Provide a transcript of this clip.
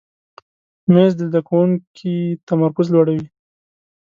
مېز د زده کوونکي تمرکز لوړوي.